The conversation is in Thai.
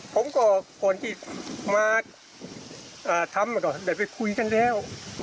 ผมก็คนที่มาทำก็ไปคุยกันแล้ว